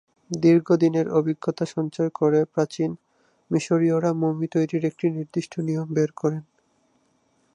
দীর্ঘদিনের অভিজ্ঞতা সঞ্চয় করে প্রাচীন মিশরীয়রা মমি তৈরির একটি নির্দিষ্ট নিয়ম বের করেন।